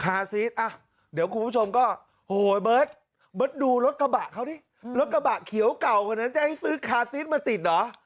คาร์ดซีดอ่ะเดี๋ยวคุณผู้ชมก็โอ้โหเบิร์ตเบิร์ตดูรถกระบะเขาดิรถกระบะเขียวเก่ากว่านั้นจะให้ซื้อคาร์ดซีดมาติดเหรอ